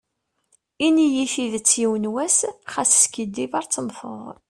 Ini-yi tidet yiwen was, ɣas skiddib ar temteḍ.